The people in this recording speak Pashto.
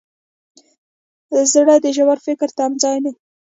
زړه د ژور فکر تمځای دی.